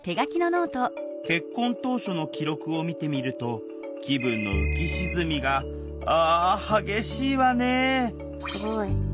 結婚当初の記録を見てみると気分の浮き沈みがあ激しいわねすごい。